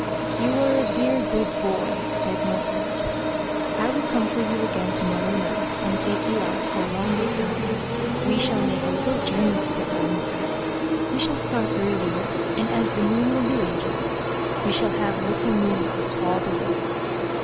"You are a dear good, boy" said North Wind. "I will come for you again to morrow night and take you out for a longer time. We shall make a little journey together, in fact, we shall start earlier, and as the moon will be later, we shall have a little moonlight all the way."